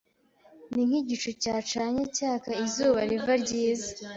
ni nkigicu cyacanye cyaka izuba riva ryiza